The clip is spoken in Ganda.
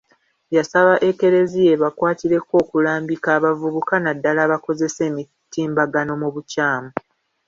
Yasaba Ekereziya ebakwatireko okulambika abavubuka naddala abakozesa emitimbagano mu bukyamu.